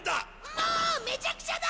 もうめちゃくちゃだ！